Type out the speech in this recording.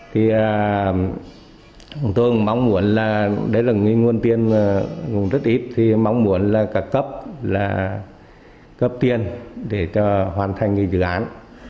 thì tôi cũng mong muốn là đấy là nguồn tiên rất ít thì mong muốn là cấp tiên để cho hoàn thành dự án